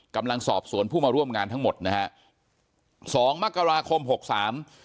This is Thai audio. กำลังสอบสวนผู้มาร่วมงานทั้งหมดนะฮะสองมกราคมหกสาม